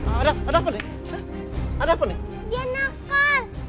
ada ada apa nih ada apa nih dia nakal